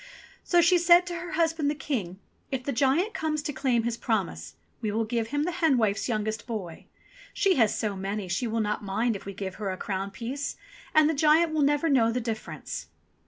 So she said to her husband the King, "If the giant comes to claim his promise, we will give him the hen wife's youngest boy. She has so many she will not mind if we give her a crown piece, and the giant will never know the difference."